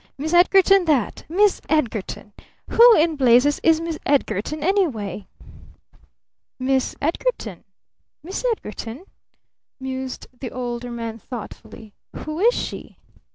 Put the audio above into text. Miss Edgarton that! Miss Edgarton! Who in blazes is Miss Edgarton, anyway?" "Miss Edgarton? Miss Edgarton?" mused the Older Man thoughtfully. "Who is she?